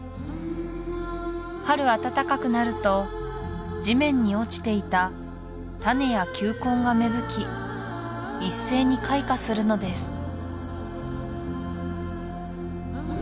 春暖かくなると地面に落ちていた種や球根が芽吹き一斉に開花するのです